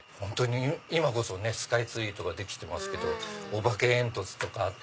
今こそスカイツリーとかできてますけどお化け煙突とかあった。